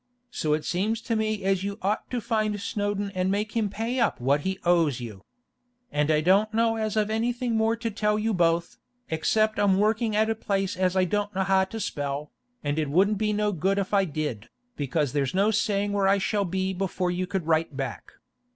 So it seams to me as you ouht to find Snowdon and make him pay up what he ose you. And I don't know as I've anything more to tell you both, ecsep I'm working at a place as I don't know how to spell, and it woldn't be no good if I did, because there's no saying were I shall be before you could rite back.